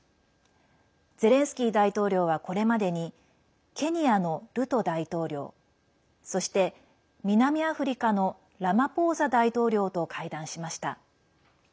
ゼレンスキー大統領はこれまでにケニアのルト大統領そして、南アフリカのラマポーザ大統領と会談しました。